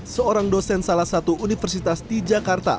seorang dosen salah satu universitas di jakarta